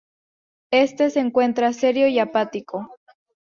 Este se encuentra serio y apático.